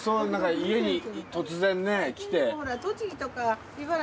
家に突然ね来て。